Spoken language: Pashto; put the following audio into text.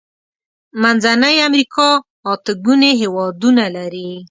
منځنۍ امريکا اته ګونې هيوادونه لري.